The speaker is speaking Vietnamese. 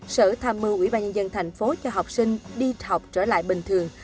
sở tham mưu ủy ban nhân dân thành phố cho học sinh đi học trở lại bình thường